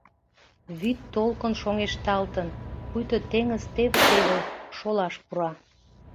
Вӱд толкын шоҥешталтын, пуйто теҥыз теве-теве шолаш пура.